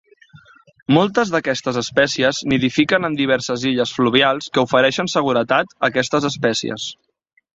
Moltes d'aquestes espècies nidifiquen en diverses illes fluvials que ofereixen seguretat a aquestes espècies.